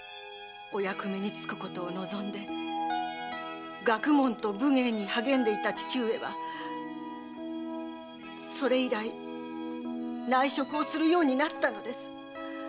お役目に就くことを望んで学問と武芸に励んでいた父上はそれ以来内職をするようになったのです。